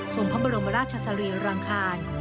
ส่วนพระบรมราชชาสรีรังคาร